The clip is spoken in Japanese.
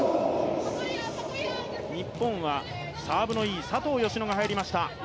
日本はサーブのいい、佐藤淑乃が入りました。